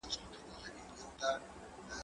که وخت وي، خواړه ورکوم؟!